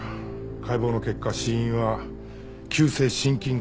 解剖の結果死因は急性心筋梗塞だ。